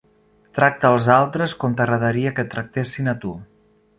Tracta els altres com t'agradaria que et tractessin a tu.